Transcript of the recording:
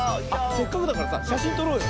せっかくだからさしゃしんとろうよ。